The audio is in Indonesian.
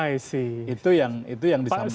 itu yang disampaikan